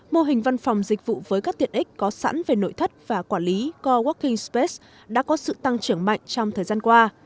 mô hình văn phòng dịch vụ với các tiện ích có sẵn về nội thất và quản lý coworking space đã có sự tăng trưởng mạnh trong thời gian qua